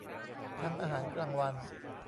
ทั้งอาหารกลางวัน